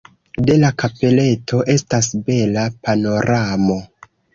De la kapeleto estas bela panoramo.